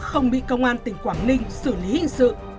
không bị công an tỉnh quảng ninh xử lý hình sự